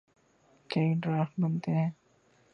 کئی ڈرافٹ بنتے ہیں۔